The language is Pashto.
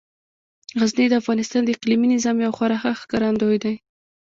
غزني د افغانستان د اقلیمي نظام یو خورا ښه ښکارندوی دی.